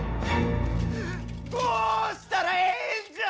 どうしたらええんじゃあ！